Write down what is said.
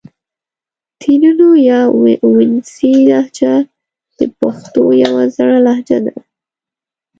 ترینو یا وڼېڅي لهجه د پښتو یو زړه لهجه ده